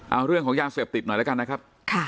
เอ้าเรื่องของยาเสียบติดหน่อยละกันนะครับค่ะ